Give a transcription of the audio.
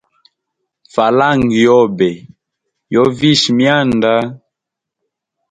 Falanga yobe yo visha myanda.